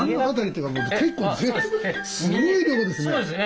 結構すごい量ですね。